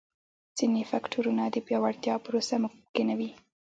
ځیني فکټورونه د پیاوړتیا پروسه ممکنوي.